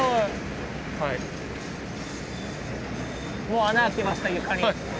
もう穴開きました床に。